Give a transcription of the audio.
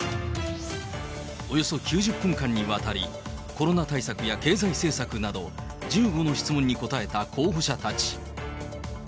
およそ９０分間にわたり、コロナ対策や経済政策など、１５の質問に答えた候補者たち。